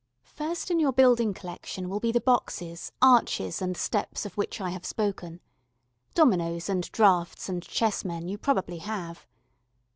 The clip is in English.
] FIRST in your building collection will be the boxes, arches, and steps of which I have spoken. Dominoes and draughts and chessmen you probably have.